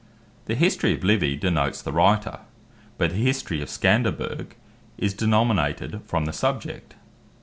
The History Of Livy, denotes the Writer; but the History Of Scanderbeg, is denominated from the subject.